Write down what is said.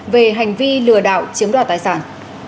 về hành vi lừa đạo chiếm đoạt tài sản